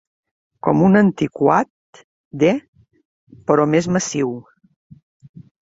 Com un antiquark d, però més massiu.